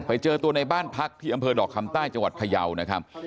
ไปเจอตัวในบ้านพักที่อำเภอดอกคำใต้จังหวัดพยาวนะครับ